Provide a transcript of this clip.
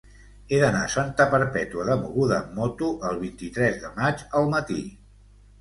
He d'anar a Santa Perpètua de Mogoda amb moto el vint-i-tres de maig al matí.